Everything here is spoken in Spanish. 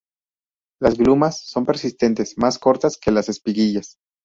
Las glumas son persistentes, más cortas que las espiguillas.